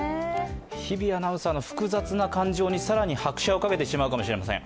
日比アナウンサーの複雑な感情に更に拍車をかけてしまうかもしれません。